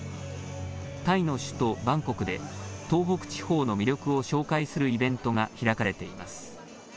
タイの首都バンコクで東北地方の魅力を紹介するイベントが開かれています。